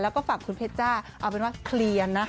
แล้วก็ฝากคุณเพชรจ้าเอาเป็นว่าเคลียร์นะ